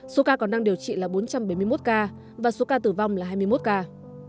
số ca còn đang điều trị là bốn trăm bảy mươi một ca và số ca tử vong là hai mươi một ca